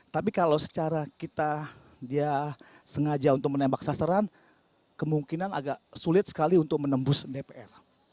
tapi kalau secara kita dia sengaja untuk menembak sasaran kemungkinan agak sulit sekali untuk menembus dpr